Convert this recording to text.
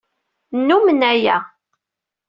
Nnumen aya.